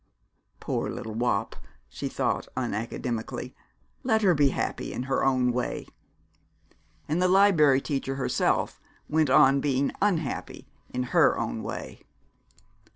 "Poor little wop!" she thought unacademically. "Let her be happy in her own way!" And the Liberry Teacher herself went on being unhappy in her own way.